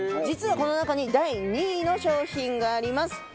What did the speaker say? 実はこの中に第２位の商品があります。